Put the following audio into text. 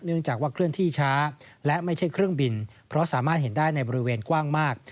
จากว่าเคลื่อนที่ช้าและไม่ใช่เครื่องบินเพราะสามารถเห็นได้ในบริเวณกว้างมาก